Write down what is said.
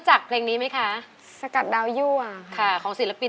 ช่างข้อมูลของทุกคน